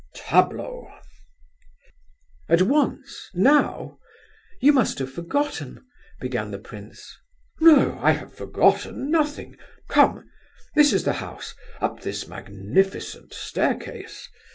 Tableau!" "At once? Now? You must have forgotten..." began the prince. "No, I have forgotten nothing. Come! This is the house—up this magnificent staircase.